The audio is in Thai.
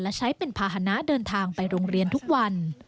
และใช้เป็นภาษณะเดินทางไปโรงเรียนทุกวัน